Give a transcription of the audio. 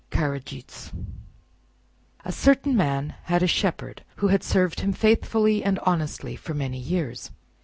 Karajich A certain man had a shepherd who had served him faithfully and honestly for many years.